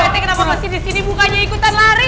pak rete kenapa masih disini bukannya ikutan lari